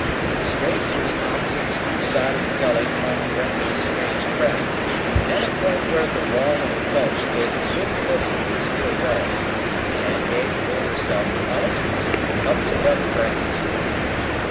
Straight for the opposite steep side of the gully Tom directed his strange craft, and at a point where the wall of the gulch gave a good footing for the steel belts, Tank A pulled herself out and up to level ground.